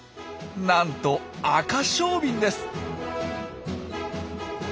なんとアカショウビンです！